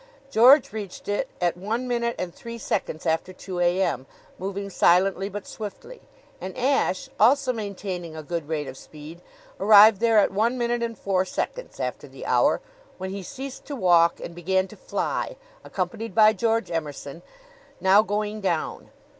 George reached it at one minute and three seconds after two a.m., moving silently but swiftly; and Ashe, also maintaining a good rate of speed, arrived there at one minute and four seconds after the hour, when he ceased to walk and began to fly, accompanied by George Emerson, now going down.